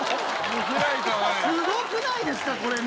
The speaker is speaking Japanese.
すごくないですか、これね。